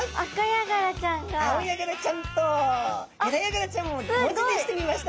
アオヤガラちゃんとヘラヤガラちゃんを文字にしてみました。